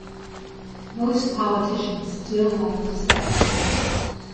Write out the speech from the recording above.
Most politicians still like DeSapio.